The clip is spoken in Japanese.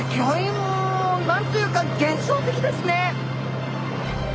もう何というか幻想的ですね！